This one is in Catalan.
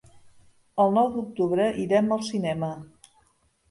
El nou d'octubre irem al cinema.